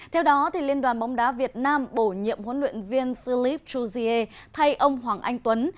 theo đó liên đoàn bóng đá việt nam bổ nhiệm huấn luyện viên philippe jouzier thay ông hoàng anh tuấn